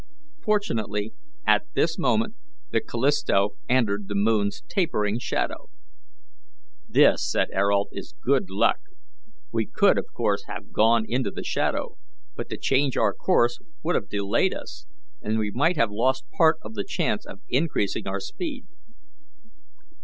Fortunately, at this moment the Callisto entered the moon's tapering shadow. "This," said Ayrault, "is good luck. We could of course have gone into the shadow; but to change our course would have delayed us, and we might have lost part of the chance of increasing our speed."